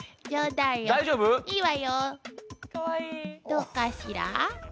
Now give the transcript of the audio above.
どうかしら？